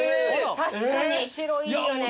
確かに白いいよね。